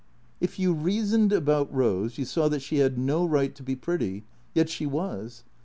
If you reasoned about Eose, you saw that she had no right to be pretty, yet she was.